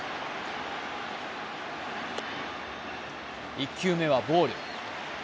１球目はボール。